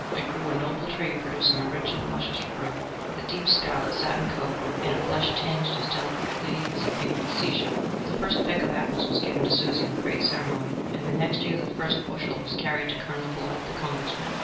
It grew a noble tree, producing a rich and luscious fruit, with a deep scarlet satin coat, and a flesh tinged as delicately as a pink seashell. The first peck of apples was given to Susie with great ceremony, and the next year the first bushel was carried to Colonel Blood, the Congressman.